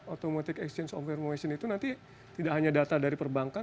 automatic exchange of fairmotion itu nanti tidak hanya data dari perbankan